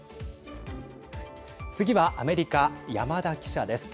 次はアメリカ、山田記者です。